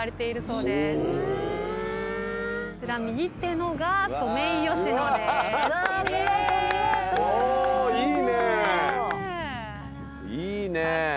いいねぇ。